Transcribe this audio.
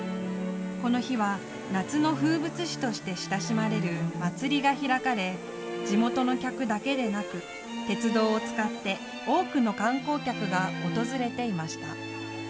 この日は夏の風物詩として親しまれる祭りが開かれ地元の客だけでなく鉄道を使って多くの観光客が訪れていました。